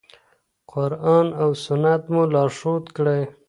قرآن او سنت مو لارښود کړئ.